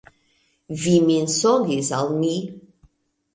Vi mensogis al mi.